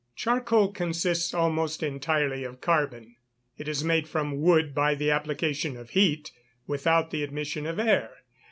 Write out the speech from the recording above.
_ Charcoal consists almost entirely of carbon. It is made from wood by the application of heat, without the admission of air.